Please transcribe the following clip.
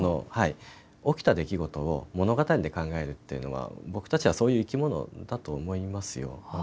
起きた出来事を物語で考えるというのは僕たちはそういう生き物だと思いますよ。